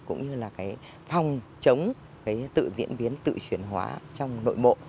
cũng như phòng chống tự diễn biến tự chuyển hóa trong nội bộ